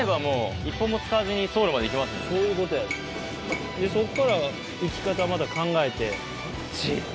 そういうことやそっから行き方はまた考えて。